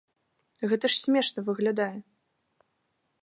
Гэта ж смешна выглядае.